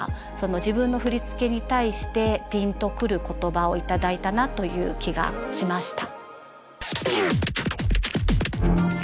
自分の振付に対してピンとくる言葉を頂いたなという気がしました。